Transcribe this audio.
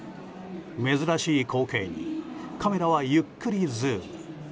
珍しい光景にカメラはゆっくりズーム。